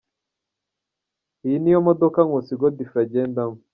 Iyi ni yo modoka Nkusi Godfrey agendamo.